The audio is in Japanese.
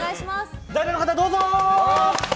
代打の方、どうぞ。